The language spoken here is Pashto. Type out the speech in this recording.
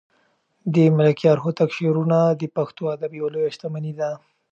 د ملکیار هوتک شعرونه د پښتو ادب یوه لویه شتمني ده.